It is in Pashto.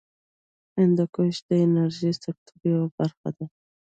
هندوکش د انرژۍ سکتور یوه برخه ده.